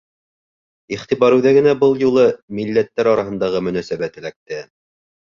Иғтибар үҙәгенә был юлы милләттәр араһындағы мөнәсәбәт эләкте.